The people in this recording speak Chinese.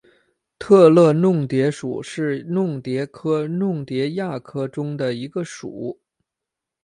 特乐弄蝶属是弄蝶科弄蝶亚科中的一个属。